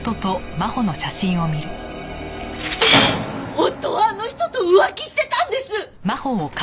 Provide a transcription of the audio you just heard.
夫はあの人と浮気してたんです！